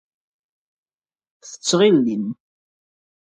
Tettɣillim.